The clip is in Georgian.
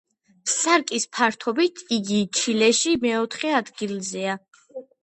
სარკის ფართობით იგი ჩილეში მეოთხე ადგილზეა.